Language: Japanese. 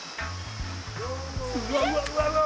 うわうわうわうわ！